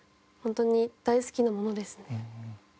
本当に大好きなものですね。